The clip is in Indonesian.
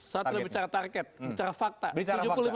saat kita bicara target bicara fakta tujuh puluh lima persen